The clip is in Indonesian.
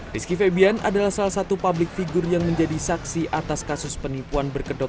rizky febian adalah salah satu publik figur yang menjadi saksi atas kasus penipuan berkedok